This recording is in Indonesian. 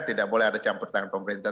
tidak boleh ada campur tangan pemerintah